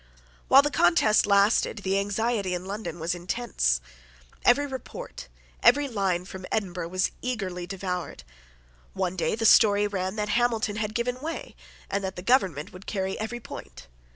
While the contest lasted the anxiety in London was intense. Every report, every line, from Edinburgh was eagerly devoured. One day the story ran that Hamilton had given way and that the government would carry every point.